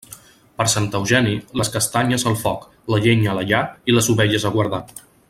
Per Sant Eugeni, les castanyes al foc, la llenya a la llar i les ovelles a guardar.